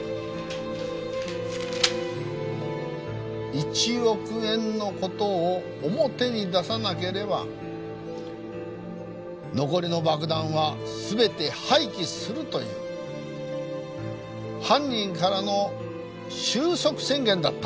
１億円の事を表に出さなければ残りの爆弾は全て廃棄するという犯人からの終息宣言だった。